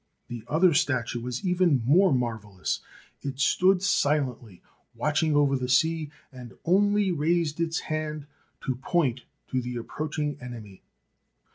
The other statue was even more marvellous. It stood silently watching over the sea and only raised its hand to point to the approaching enemy.